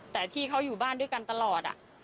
แต่ที่เขาอยู่บ้านด้วยกันตลอด